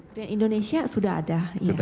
grand indonesia sudah ada